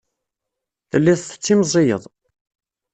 Telliḍ tettimẓiyeḍ.